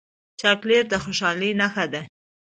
چاکلېټ د خوشحالۍ نښه ده.